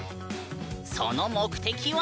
その目的は？